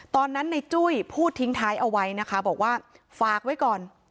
ตอนนั้นในจุ้ยพูดทิ้งท้ายเอาไว้นะคะบอกว่าฝากไว้ก่อน